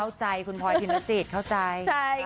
เข้าใจคุณพลอยพิมรจิตเข้าใจ